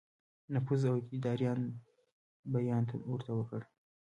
نفوذ او اقتدار بیان ورته وکړ.